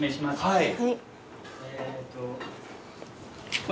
はい。